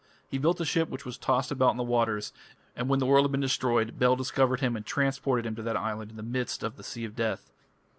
He built a ship which was tossed about on the waters, and when the world had been destroyed, Bel discovered him and transported him to that island in the midst of the Sea of Death.